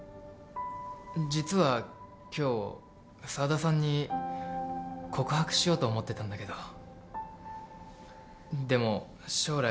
実は今日澤田さんに告白しようと思ってたんだけどでも将来